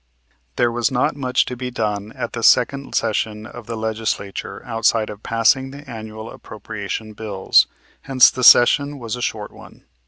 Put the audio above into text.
There was not much to be done at the second session of the Legislature outside of passing the annual appropriation bills; hence the session was a short one.